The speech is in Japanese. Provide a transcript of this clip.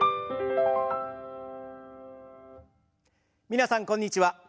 皆さんこんにちは。